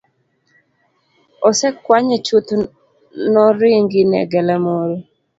Osekwanye chuth noringi ne galamoro